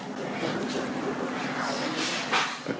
จริงปลอดภัยด้วย